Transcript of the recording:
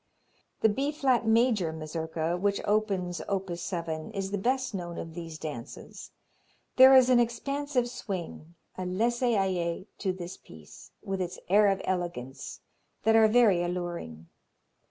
The B flat major Mazurka which opens op. 7 is the best known of these dances. There is an expansive swing, a laissez aller to this piece, with its air of elegance, that are very alluring.